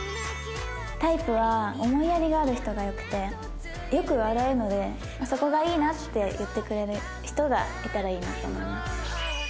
タイプは思いやりがある人がよくてよく笑うのでそこがいいなって言ってくれる人がいたらいいなって思います。